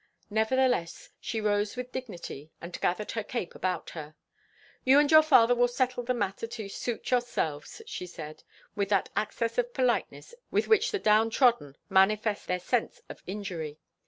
Nevertheless, she rose with dignity and gathered her cape about her. "You and your father will settle the matter to suit yourselves," she said, with that access of politeness in which the down trodden manifest their sense of injury.